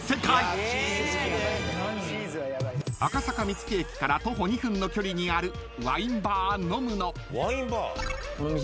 ［赤坂見附駅から徒歩２分の距離にあるワインバー］